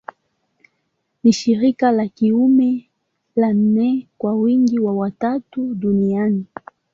Ni shirika la kiume la nne kwa wingi wa watawa duniani.